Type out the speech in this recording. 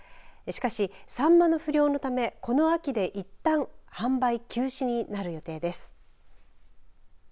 しかし、さんまの不漁のためこの秋で、いったん販売休止になる予定です。